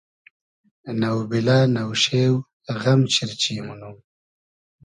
نۆبیلۂ نۆشېۉ غئم چیرچی مونوم